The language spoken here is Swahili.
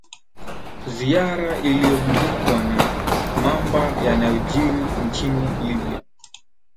ziara iliyogubikwa na mamba yanayojiri nchini libya